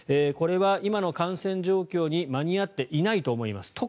これは今の感染状況に間に合っていないと思います。